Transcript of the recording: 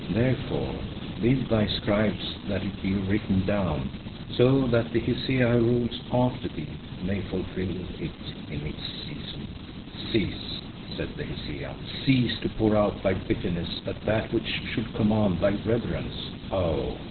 Therefore bid thy scribes that it be written down, so that the Hesea who rules after thee may fulfil it in its season." "Cease," said the Hesea, "cease to pour out thy bitterness at that which should command thy reverence, oh!